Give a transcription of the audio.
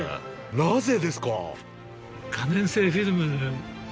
なぜですか？